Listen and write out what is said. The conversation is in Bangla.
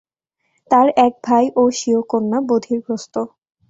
তার এক ভাই ও স্বীয় কন্যা বধিরগ্রস্ত।